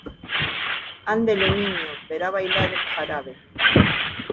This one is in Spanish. andele, niño , verá bailar el jarabe.